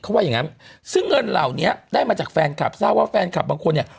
เขาว่าอย่างงั้นซึ่งเงินเหล่านี้ได้มาจากแฟนคลับทราบว่าแฟนคลับบางคนเนี่ย